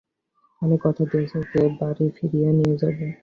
আমি কথা দিয়েছি ওকে বাড়ি ফিরিয়ে নিয়ে যাবো।